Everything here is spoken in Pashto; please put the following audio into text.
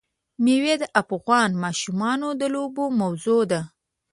مېوې د افغان ماشومانو د لوبو موضوع ده.